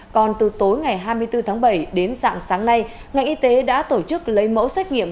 còn từ tối ngày hai mươi bốn tháng bảy đến dạng sáng nay ngành y tế đã tổ chức lấy mẫu xét nghiệm